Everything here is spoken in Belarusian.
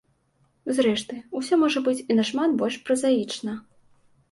Зрэшты, усё можа быць і нашмат больш празаічна.